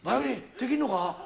できんのか？」